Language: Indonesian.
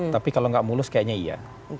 tapi kalau nggak mulus kayaknya iya